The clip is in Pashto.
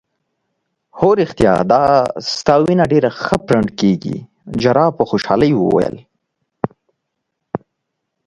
هو ریښتیا دا ستا وینه ډیره ښه پرنډ کیږي. جراح په خوشحالۍ وویل.